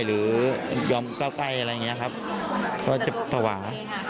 หรือยอมเก้าไกลอะไรอย่างนี้ครับก็จะภาวะ